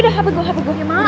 tentangnya kita hentikan